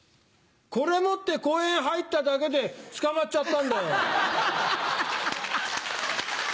これ持って公園入っただけで捕まっちゃったんだよ。